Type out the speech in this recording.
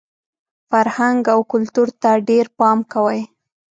فرهنګ او کلتور ته ډېر پام کوئ!